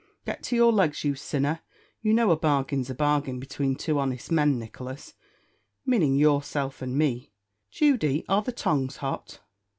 Get to your legs, you sinner; you know a bargain's a bargain between two honest men, Nicholas; meaning yourself and me. Judy, are the tongs hot?"